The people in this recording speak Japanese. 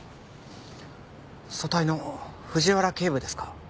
組対の藤原警部ですか？